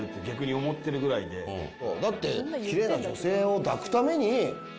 だって。